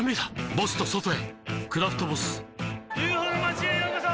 ボスと外へ「クラフトボス」ＵＦＯの町へようこそ！